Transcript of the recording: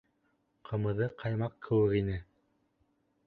Ҡымыҙы ҡаймаҡ кеүек ине!